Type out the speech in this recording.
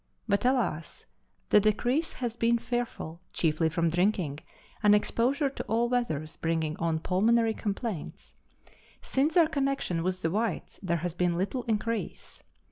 But, alas ! the decrease has been fearful, chiefly from drinking, and exposure to all weathers bringing on pulmonary 252 Letters from Victorian Pioneers. complaints. Since their connexion with the whites there has been little increase.